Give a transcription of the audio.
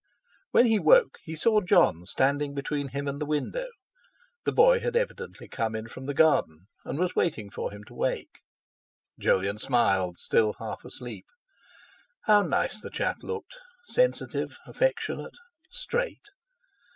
When he woke he saw Jon standing between him and the window. The boy had evidently come in from the garden and was waiting for him to wake. Jolyon smiled, still half asleep. How nice the chap looked—sensitive, affectionate, straight!